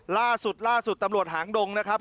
ล่าสุดตำรวจหางดงนะครับ